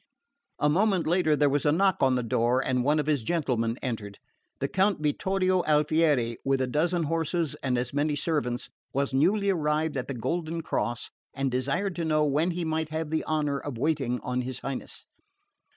A moment later there was a knock on the door and one of his gentlemen entered. The Count Vittorio Alfieri, with a dozen horses and as many servants, was newly arrived at the Golden Cross, and desired to know when he might have the honour of waiting on his Highness.